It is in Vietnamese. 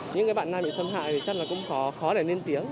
những cái bạn nam bị xâm hại thì chắc là cũng khó để nên tiếng